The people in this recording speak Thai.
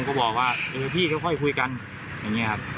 แล้วผมก็บอกว่าพี่ค่อยคุยกันอย่างนี้ครับ